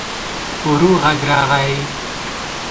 ورو غږ راغی.